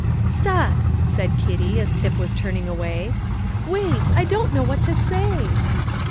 "Stop!" said Kitty, as Tip was turning away; "wait! I don't know what to say."